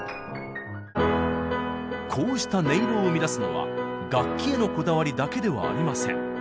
こうした音色を生み出すのは楽器へのこだわりだけではありません。